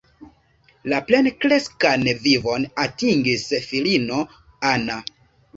La plenkreskan vivon atingis filino Anna.